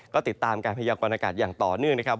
ก็ติดตามการพยากรณากาศอย่างต่อเนื่องนะครับ